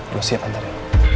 lo siap antar ya